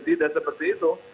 tidak seperti itu